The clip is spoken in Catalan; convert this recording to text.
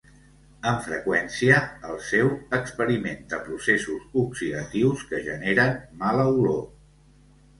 Amb freqüència, el sèu experimenta processos oxidatius que generen mala olor.